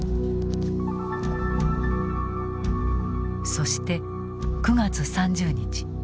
そして９月３０日。